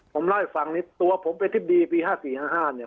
ผมเล่าให้ฟังซึ่งตัวผมทิศดีปี๕๔๕เนี่ย